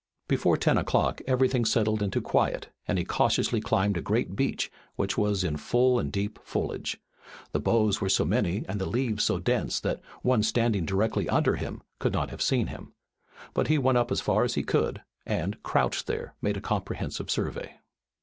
Before ten o'clock everything settled into quiet, and he cautiously climbed a great beech which was in full and deep foliage. The boughs were so many and the leaves so dense that one standing directly under him could not have seen him. But he went up as far as he could go, and, crouched there, made a comprehensive survey.